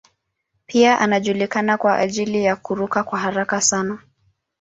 Pia anajulikana kwa ajili ya kuruka kwa haraka sana.